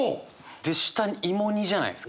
で下「芋煮」じゃないですか。